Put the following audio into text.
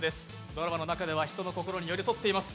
ドラマの中では人の心に寄り添っています